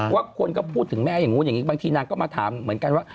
ว่าคนก็พูดถึงแม่อย่างนู้นอย่างนี้บางทีนางก็มาถามเหมือนกันว่า